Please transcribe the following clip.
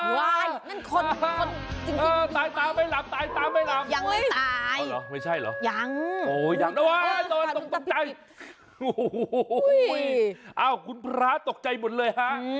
แบบนั้นค่ะตายตาไม่หลับตายตาไม่หลับยังไม่ตายไม่ใช่เหรอยังโอ้ยตกใจอ้าวคุณพระตกใจหมดเลยฮะ